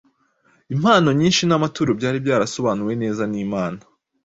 Impano nyinshi n’amaturo byari byarasobanuwe neza n’Imana.